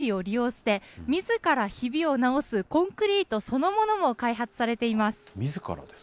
さらに、この原理を利用して、みずからひびを直すコンクリートそのものも開発されています。